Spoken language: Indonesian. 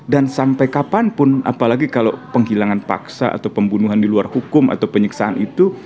dan sampai kapanpun apalagi kalau penghilangan paksa atau pembunuhan di luar hukum atau penyiksaan itu